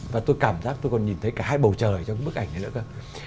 và tôi cảm giác tôi còn nhìn thấy cả hai bầu trời trong bức ảnh này nữa cơ